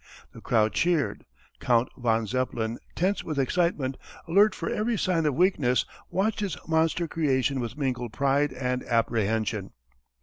The crowd cheered. Count von Zeppelin, tense with excitement, alert for every sign of weakness watched his monster creation with mingled pride and apprehension.